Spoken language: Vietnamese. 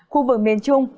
khu vực miền trung